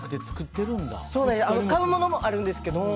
買うものもあるんですけど。